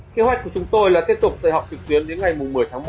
kế hoạch của chúng tôi là tiếp tục dạy học trực tuyến đến ngày một mươi tháng một